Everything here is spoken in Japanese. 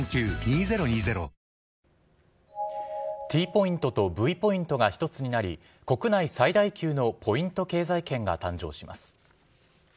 ＴポイントとＶポイントが一つになり、国内最大級のポイント経済圏が誕生します。